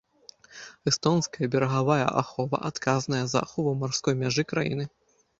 Эстонская берагавая ахова адказная за ахову марской мяжы краіны.